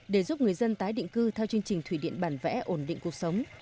để giúp người dân tái định cư theo chương trình thủy điện bản vẽ ổn định cuộc sống